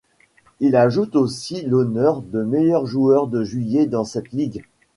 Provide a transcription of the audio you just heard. Il ajoute aussi l'honneur de meilleur joueur de juillet dans cette ligue.